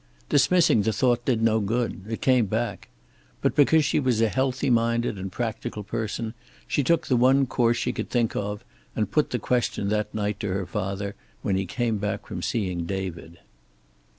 Dismissing the thought did no good. It came back. But because she was a healthy minded and practical person she took the one course she could think of, and put the question that night to her father, when he came back from seeing David.